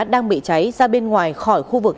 đang bị cháy ra bên ngoài khỏi khu vực